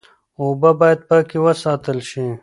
اوبه باید پاکې وساتل شي.